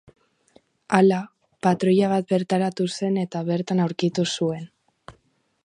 Hala, patruila bat bertaratu zen eta bertan aurkitu zuen.